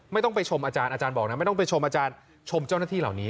ไม่ต้องไปชมอาจารย์บอกนะไม่ต้องไปชมอาจารย์ชมเจ้าหน้าที่เหล่านี้